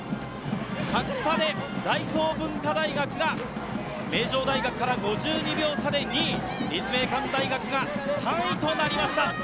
着差で大東文化大学が名城大学から５２秒差で２位、立命館大学が３位となりました。